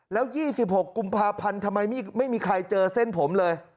แล้ว๒๖กุมภาพันธ์ทำไมไม่มีใครเจอเส้นผมเลย